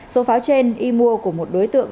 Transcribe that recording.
số pháo trên y mua của một đối tượng